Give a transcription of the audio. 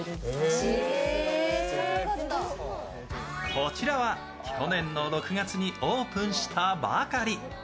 こちらは去年の６月にオープンしたばかり。